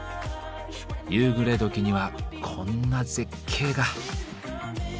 夕暮れ時にはこんな絶景が。